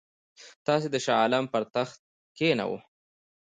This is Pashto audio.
تاسي شاه عالم پر تخت کښېناوه.